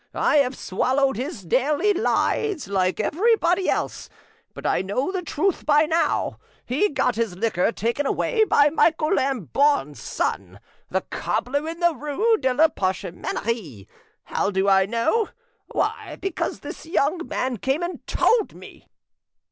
I have swallowed his daily lies like everybody else, but I know the truth by now. He got his liquor taken away by Michael Lambourne's son, the cobbler in the rue de la Parcheminerie. How do I know? Why, because the young man came and told me!"